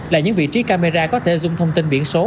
là những vị trí camera có thể dùng thông tin biển số